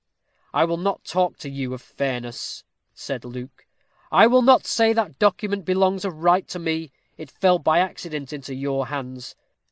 "I will not talk to you of fairness," said Luke; "I will not say that document belongs of right to me. It fell by accident into your hands.